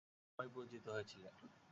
তিনি দ্বিতীয় নামেই পরিচিত হয়েছিলেন।